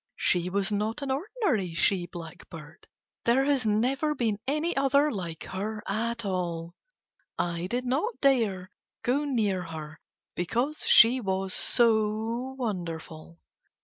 She was not an ordinary she blackbird, there has never been any other like her at all. I did not dare go near her because she was so wonderful.